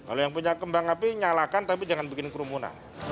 kalau yang punya kembang api nyalakan tapi jangan bikin kerumunan